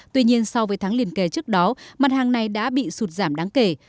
tuy nhiên so với tháng liền kề trước đó mặt hàng này đã bị sụt giảm đáng kể